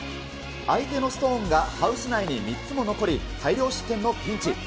相手のストーンがハウス内に３つも残り、大量失点のピンチ。